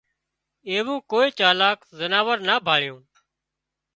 ايوون ڪوئي چالاڪ زناور نا ڀاۯيون